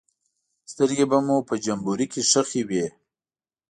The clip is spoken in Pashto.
سترګې به مو په جمبوري کې ښخې وې.